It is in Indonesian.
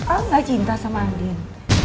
al gak cinta sama andien